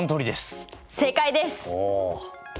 正解です！